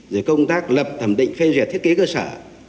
rồi công tác lập thẩm định phê duyệt thiết kế cơ sở